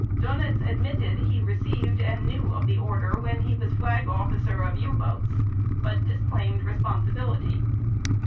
Dönitz admitted he received and knew of the order when he was Flag Officer of U boats, but disclaimed responsibility.